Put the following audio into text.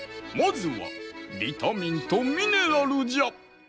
まずはビタミンとミネラルじゃ。